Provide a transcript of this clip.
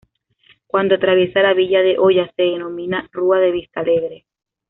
Cuando atraviesa la villa de Oya se denomina Rúa de Vista Alegre.